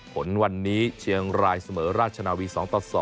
ผลวันนี้เชียงรายเสมอราชนาวี๒ต่อ๒